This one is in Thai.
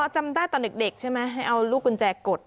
จำได้ตอนเด็กใช่ไหมให้เอาลูกกุญแจกด